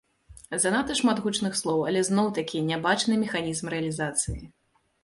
Занадта шмат гучных слоў, але зноў-такі не бачны механізм рэалізацыі.